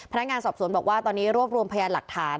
พนักงานสอบสวนบอกว่าตอนนี้รวบรวมพยานหลักฐาน